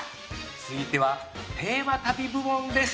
続いてはテーマ旅部門です！